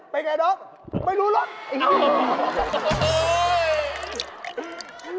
ไปไหนแล้วไม่รู้แล้ว